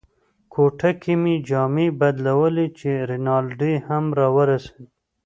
کوټه کې مې جامې بدلولې چې رینالډي هم را ورسېد.